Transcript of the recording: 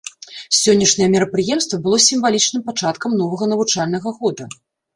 Сённяшняе мерапрыемства было сімвалічным пачаткам новага навучальнага года.